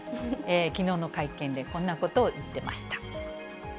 きのうの会見でこんなことを言ってました。